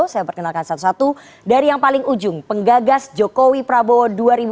saya perkenalkan satu satu dari yang paling ujung penggagas jokowi prabowo dua ribu dua puluh